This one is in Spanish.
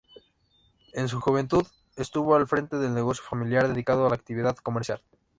En su juventud, estuvo al frente del negocio familiar dedicado a la actividad comercial.